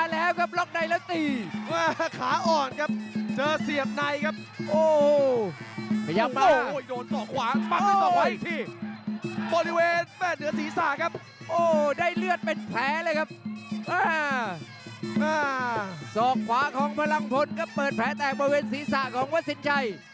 อ้อโหแต่ได้เลื่อนตามภังองค์วัศดิใจ